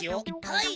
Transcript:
はい。